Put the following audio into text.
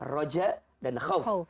roja dan khawf